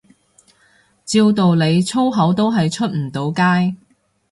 照道理粗口都係出唔到街